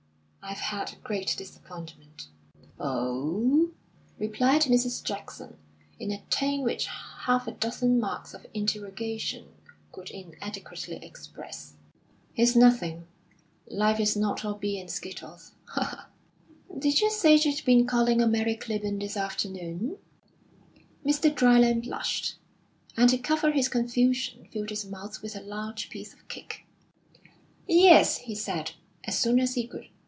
"I've had a great disappointment." "Oh!" replied Mrs. Jackson, in a tone which half a dozen marks of interrogation could inadequately express. "It's nothing. Life is not all beer and skittles. Ha! ha!" "Did you say you'd been calling on Mary Clibborn this afternoon?" Mr. Dryland blushed, and to cover his confusion filled his mouth with a large piece of cake. "Yes," he said, as soon as he could.